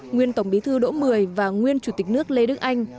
nguyên tổng bí thư đỗ mười và nguyên chủ tịch nước lê đức anh